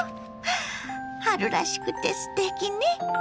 春らしくてすてきね！